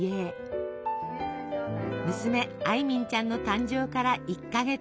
娘艾敏ちゃんの誕生から１か月。